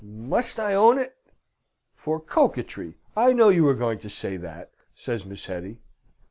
must I own it?" "For coquetry. I know you are going to say that!" says Miss Hetty.